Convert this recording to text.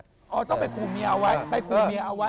อ๋อต้องไปขู่เมียเอาไว้ไปขู่เมียเอาไว้